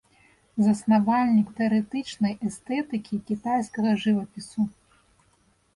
Заснавальнік тэарэтычнай эстэтыкі кітайскага жывапісу.